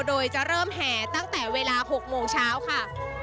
โดยจะเริ่มแห่ตั้งแต่เวลา๖โมงเช้าค่ะ